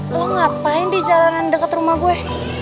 lo ngapain di jalanan dekat rumah gue